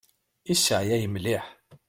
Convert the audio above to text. Iseɛyay mliḥ.